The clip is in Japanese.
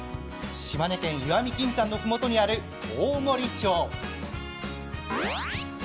島根県、石見銀山のふもとにある大森町。